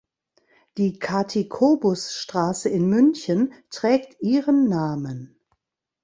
Die Kathi-Kobus-Straße in München trägt ihren Namen.